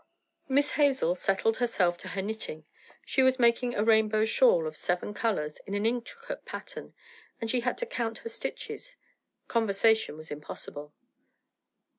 Miss Hazel settled herself to her knitting. She was making a rainbow shawl of seven colours and an intricate pattern, and she had to count her stitches; conversation was impossible.